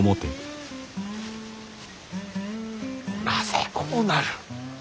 なぜこうなる。